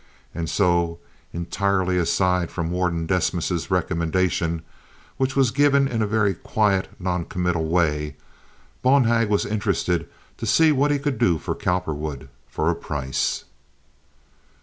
And so, entirely aside from Warden Desmas's recommendation, which was given in a very quiet, noncommittal way, Bonhag was interested to see what he could do for Cowperwood for a price.